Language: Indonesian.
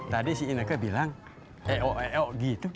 tadi si ineke bilang eo eo gitu